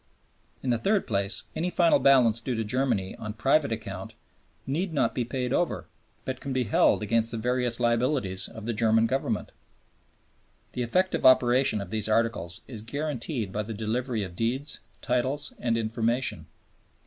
In the third place, any final balance due to Germany on private account need not be paid over, but can be held against the various liabilities of the German Government. The effective operation of these Articles is guaranteed by the delivery of deeds, titles, and information.